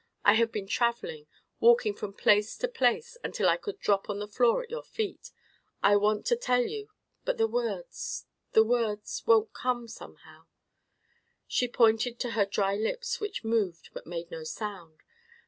I have been travelling, walking from place to place, until I could drop on the floor at your feet. I want to tell you—but the words—the words—won't come—somehow——" She pointed to her dry lips, which moved, but made no sound.